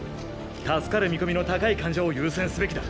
助かる見込みの高い患者を優先すべきだ。